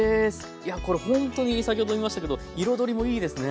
いやこれほんとに先ほども言いましたけど彩りもいいですね。